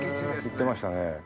行ってましたね。